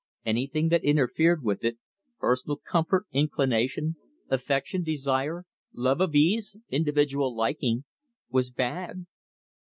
Anything that interfered with it personal comfort, inclination, affection, desire, love of ease, individual liking, was bad.